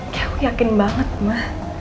ya aku yakin banget mah